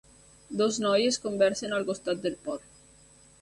Dues noies conversen al costat del port.